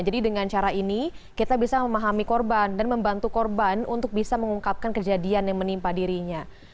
jadi dengan cara ini kita bisa memahami korban dan membantu korban untuk bisa mengungkapkan kejadian yang menimpa dirinya